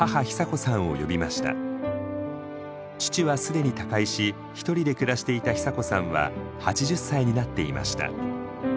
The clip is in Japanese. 父は既に他界し一人で暮らしていた久子さんは８０歳になっていました。